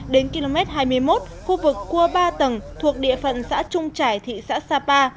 đến km hai mươi một khu vực cua ba tầng thuộc địa phận xã trung trải thị xã sapa